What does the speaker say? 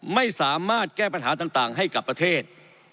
ไม่สามารถแก้ปัญหาต่างให้กับประเทศ